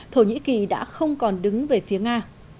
thổ nhĩ kỳ đã không còn đứng về phía nga